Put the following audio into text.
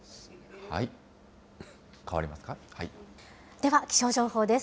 では、気象情報です。